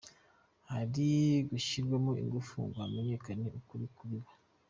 hari gushyirwamo ingufu ngo hamenyekane ukuri ku biba.